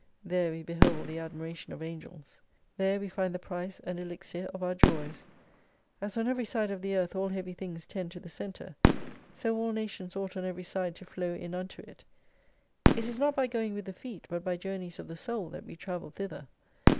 There we behold the admiration of Angels. There we find the price and elixir of our joys. As on every side of the earth all heavy things tend to the centre ; so all nations ought on every side to flow in unto it. It is not by going with the feet, but by journeys of the Soul, that we travel thither.